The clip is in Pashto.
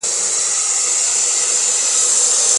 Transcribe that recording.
د روغتیا مدیریت څنګه عصري کیدلای سي؟